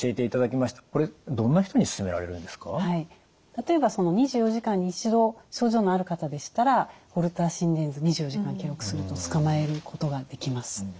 例えば２４時間に１度症状のある方でしたらホルター心電図２４時間記録するとつかまえることができます。